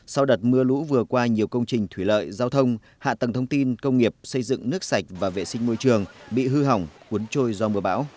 sau đợt mưa lũ vừa qua nhiều công trình thủy lợi giao thông hạ tầng thông tin công nghiệp xây dựng nước sạch và vệ sinh môi trường bị hư hỏng cuốn trôi do mưa bão